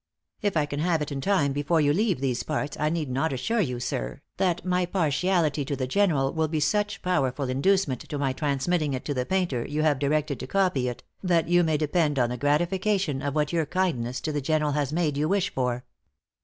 If I can have it in time before you leave these parts, I need not assure you, Sir, that my partiality to the General will be such powerful inducement to my transmitting it to the painter you have directed to copy it, that you may depend on the gratification of what your kindness to the General has made you wish for.